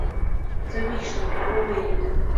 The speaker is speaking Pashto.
زه ویښ شوم او ووېرېدم.